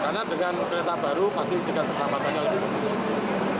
karena dengan kereta baru pasti tingkat keselamatannya lebih bagus